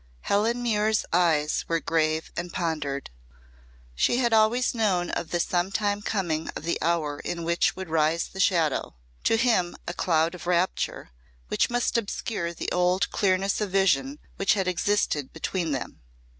Helen Muir's eyes were grave and pondered. She had always known of the sometime coming of the hour in which would rise the shadow to him a cloud of rapture which must obscure the old clearness of vision which had existed between them.